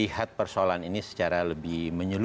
untuk melihat persoalan ini secara lebih menyuruh